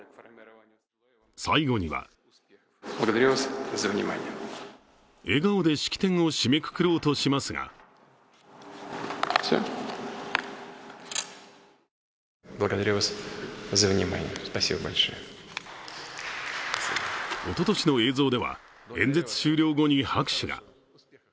最後には笑顔で式典を締めくくろうとしますがおととしの映像では、演説終了後に拍手が。